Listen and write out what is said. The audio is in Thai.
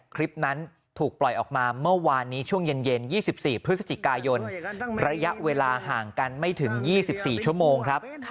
คลิปนั้นถูกปล่อยออกมาเมื่อวานนี้ช่วงเย็น๒๔พฤศจิกายนระยะเวลาห่างกันไม่ถึง๒๔ชั่วโมงครับ